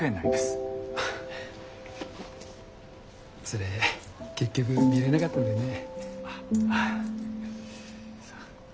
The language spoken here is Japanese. それ結局見れなかったんだよね。